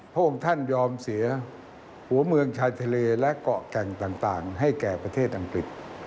พระองค์ท่านยอมเสียหัวเมืองชายทะเลและเกาะแก่งต่างให้แก่ประเทศอังกฤษ